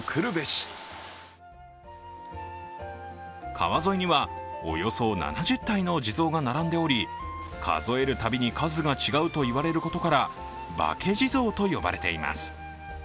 川沿いにはおよそ７０体の地蔵が並んでおり数えるたびに数が違うと言われることから、化け地蔵と呼ばれています。